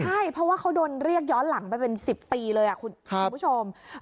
ใช่เพราะว่าเขาโดนเรียกย้อนหลังไปเป็น๑๐ปีเลยคุณผู้ชม